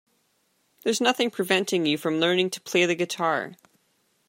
There's nothing preventing you from learning to play the guitar.